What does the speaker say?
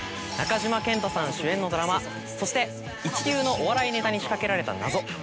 中島健人さん主演のドラマそして一流のお笑いネタに仕掛けられた謎。